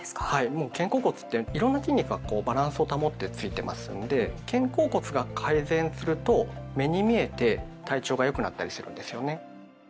もう肩甲骨っていろんな筋肉がバランスを保ってついてますんで肩甲骨が改善すると目に見えて体調がよくなったりするんですよね。